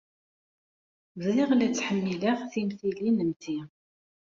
Bdiɣ la ttḥemmileɣ timlilin am ti.